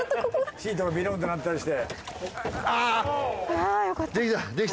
シートがビロンってなったりして。